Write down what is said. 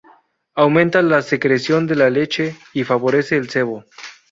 Aumenta la secreción de la leche y favorece el cebo.